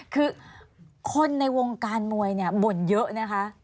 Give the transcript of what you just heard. คือคนในวงการมวยเนี่ยบ่นเยอะนะคะ